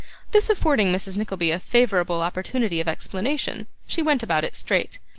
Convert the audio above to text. This affording Mrs. Nickleby a favourable opportunity of explanation, she went about it straight.